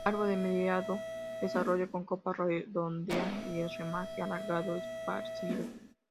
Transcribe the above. Árbol de mediano desarrollo, con copa redondeada, y el ramaje alargado esparcido.